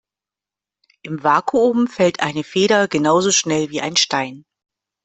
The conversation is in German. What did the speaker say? Im Vakuum fällt eine Feder genauso schnell wie ein Stein.